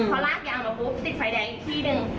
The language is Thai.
พอลากยางเราปุ๊บติดไฟแดงอีกที่หนึ่ง